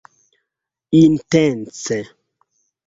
intence